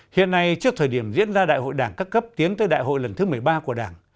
hiện nay trước thời điểm diễn ra đại hội đảng các cấp tiến tới đại hội lần thứ một mươi ba của đảng